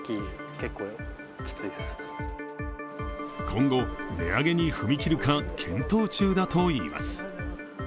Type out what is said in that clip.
今後、値上げに踏み切るか検討中だといいます。